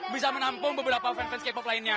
bisa menampung beberapa fans k pop lainnya